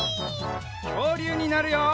きょうりゅうになるよ！